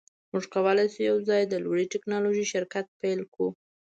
موږ کولی شو یوځای د لوړې ټیکنالوژۍ شرکت پیل کړو